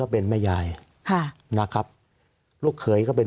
สวัสดีครับทุกคน